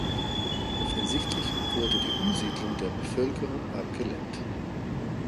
Offensichtlich wurde die Umsiedlung der Bevölkerung abgelehnt.